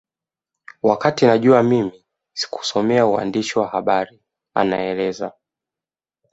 Wakati najua mimi sikusomea uandishi wa habari anaeleza